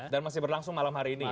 dan masih berlangsung malam hari ini ya